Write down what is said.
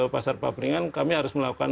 pasar papringan kami harus melakukan